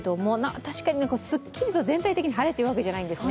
確かにすっきりと全体的に晴れてるわけじゃないんですね。